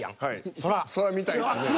そら見たいですね。